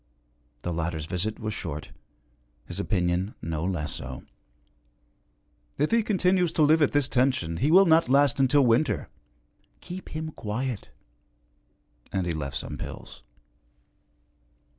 The latter's visit was short, his opinion no less so: 'If he continues to live at this tension he will not last until winter. Keep him quiet.' And he left some pills.